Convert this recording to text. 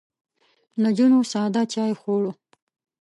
نجونو ساده چای خوړ.